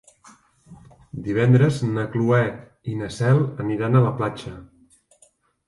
Divendres na Cloè i na Cel aniran a la platja.